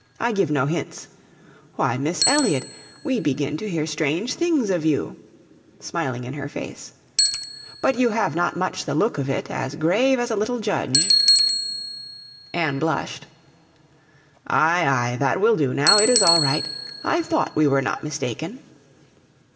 I give no hints. Why, Miss Elliot, we begin to hear strange things of you (smiling in her face). But you have not much the look of it, as grave as a little judge!' Anne blushed. 'Aye, aye, that will do now, it is all right. I thought we were not mistaken.'